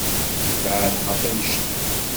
Beɛɛed ɣef annect-en.